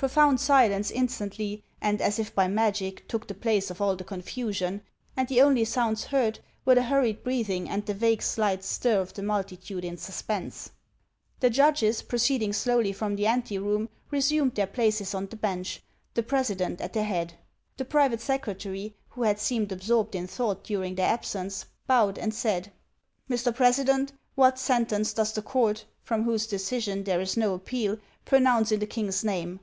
Profound silence instantly, and as if by magic, took the place of all the confusion ; and the only sounds heard were the hurried breathing and the vague slight stir of the multitude in suspense. The judges, proceeding slowly from the anteroom, re sumed their places on the bench, the president at their head. The private secretary, who had seemed absorbed in thought during their absence, bowed and said :" Mr. Presi dent, what sentence does the court, from whose decision there is no appeal, pronounce in the king's name